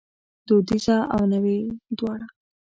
دودیزه او نوې دواړه